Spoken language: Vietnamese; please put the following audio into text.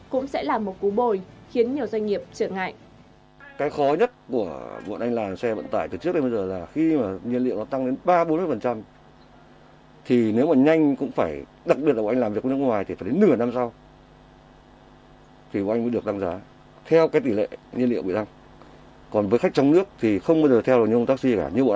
cũng sẽ là một cú bồi khiến nhiều doanh nghiệp trượt ngại